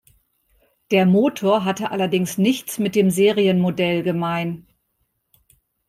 Der Motor hatte allerdings nichts mit dem Serienmodell gemein.